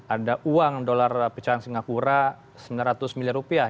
ada uang dolar pecahan singapura sembilan ratus miliar rupiah